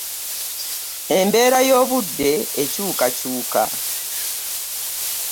Embeera yobudde ekyukakyuka.